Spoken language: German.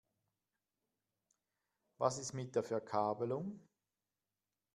Was ist mit der Verkabelung?